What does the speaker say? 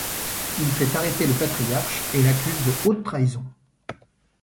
Il fait arrêter le patriarche et l’accuse de haute trahison.